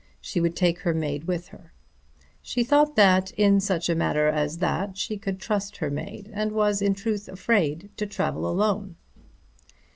She would take her maid with her. She thought that in such a matter as that she could trust her maid, and was in truth afraid to travel alone.